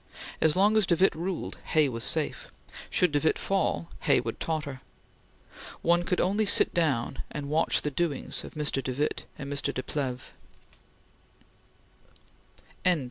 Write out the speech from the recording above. As long as de Witte ruled, Hay was safe. Should de Witte fall, Hay would totter. One could only sit down and watch the doings of Mr. de Witte and Mr. de Plehve.